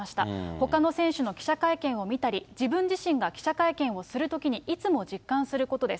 ほかの選手の記者会見を見たり、自分自身が記者会見をするときにいつも実感することです。